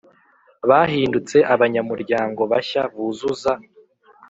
bahindutse abanyamuryango bashya buzuza